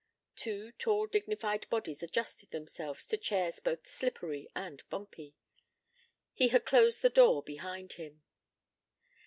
Two tall dignified bodies adjusted themselves to chairs both slippery and bumpy. He had closed the door behind him.